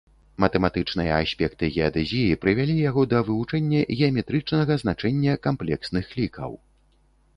Матэматычныя аспекты геадэзіі, прывялі яго да вывучэння геаметрычнага значэння камплексных лікаў.